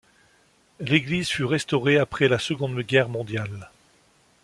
L'église fut restaurée après la Seconde Guerre mondiale.